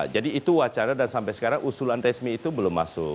jadi itu wacana dan sampai sekarang usulan resmi itu belum masuk